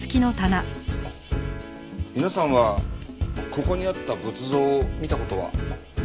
皆さんはここにあった仏像を見た事は？